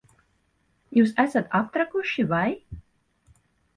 Jūs esat aptrakuši, vai?